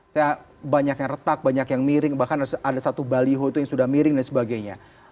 saya banyak yang retak banyak yang miring bahkan ada satu baliho itu yang sudah miring dan sebagainya